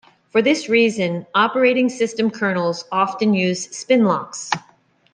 For this reason, operating-system kernels often use spinlocks.